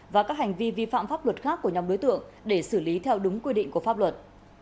và các hành vi vi phạm pháp luật khác của nhóm đối tượng để xử lý theo đúng quy định của pháp luật